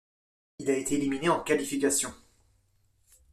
Il a été éliminé en qualifications.